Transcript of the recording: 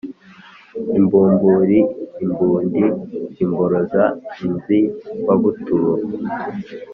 i mbumburi, l mbundi, l mboroza, lnzibabuzutu